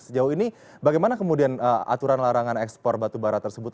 sejauh ini bagaimana kemudian aturan larangan ekspor batubara tersebut